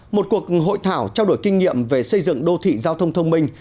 một cuộc hội thảo trao đổi kinh nghiệm về xây dựng đô thị giao thông thông minh